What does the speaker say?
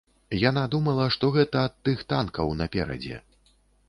Яна думала, што гэта ад тых танкаў наперадзе.